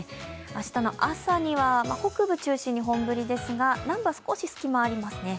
明日の朝には北部中心に本降りですが南部は少し隙間がありますね。